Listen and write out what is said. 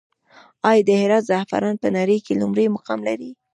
آیا د هرات زعفران په نړۍ کې لومړی مقام لري؟